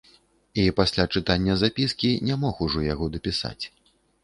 І пасля чытання запіскі не мог ужо яго дапісаць.